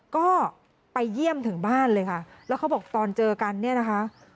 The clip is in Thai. ก็ไปเยี่ยมถึงบ้านเลยค่ะแล้วเขาบอกตอนเจอกันเนี่ยนะคะ